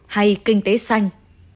hay kinh tế xanh